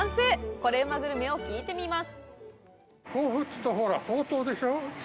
コレうまグルメを聞いてみます。